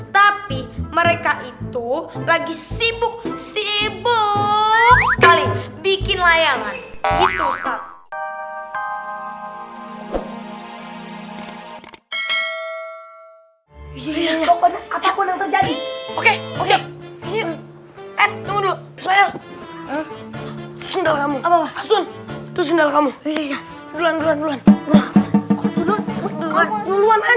tapi mereka itu lagi sibuk sibuk sekali bikin layangan itu saat ini ya pokoknya apa pun yang